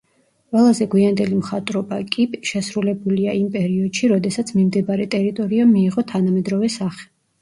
ყველაზე გვიანდელი მხატვრობა კი შესრულებულია იმ პერიოდში, როდესაც მიმდებარე ტერიტორიამ მიიღო თანამედროვე სახე.